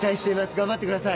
頑張ってください。